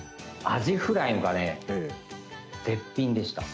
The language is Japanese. アジフライがね、絶品でした。